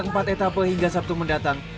dari empat etapa hingga sabtu mendatang